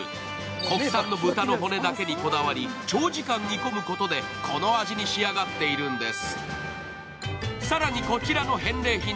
国産の豚の骨だけにこだわり長時間煮込むことで、この味に仕上がっているんです。